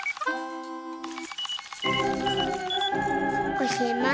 おしまい！